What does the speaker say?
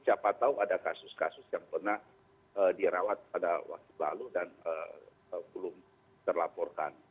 siapa tahu ada kasus kasus yang pernah dirawat pada waktu lalu dan belum terlaporkan